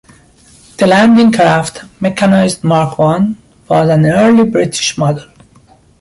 The landing craft, mechanised Mark One was an early British model.